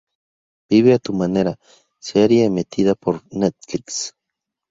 Vive a tu Manera", serie emitida por "Netflix".